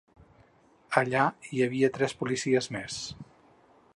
Allà hi havia tres policies més.